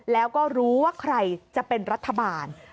แล้วก็รู้ว่าใครจะเป็นรัฐบาล